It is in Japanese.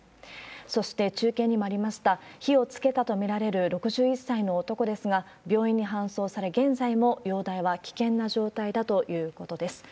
そして中継にもありました、火をつけたと見られる６１歳の男ですが、病院に搬送され、現在も容体は危険な状態だということです。